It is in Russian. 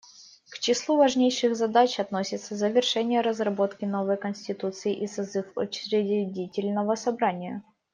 К числу важнейших задач относятся завершение разработки новой конституции и созыв учредительного собрания.